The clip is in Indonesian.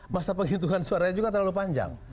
masa penghitungan suaranya juga terlalu panjang